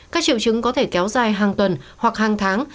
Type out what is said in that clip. các triệu chứng có thể kéo dài hàng tuần hoặc hàng tháng